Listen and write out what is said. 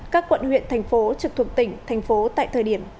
các quận huyện thành phố trực thuộc tỉnh thành phố tại thời điểm